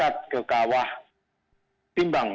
jadi yang memang yang diperlukan adalah ke kawah timbang